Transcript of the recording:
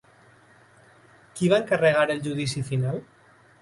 Qui va encarregar el Judici Final?